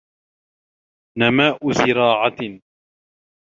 نَمَاءُ زِرَاعَةٍ